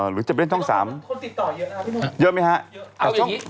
หรือจะไปเล่นช่องสามคนติดต่อเยอะนะเยอะไหมฮะเยอะเอาอย่างงี้